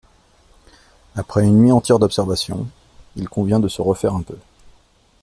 Après une nuit entière d’observations, il convient de se refaire un peu.